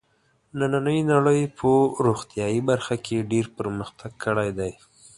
نننۍ نړۍ په روغتیايي برخه کې ډېر پرمختګ کړی دی.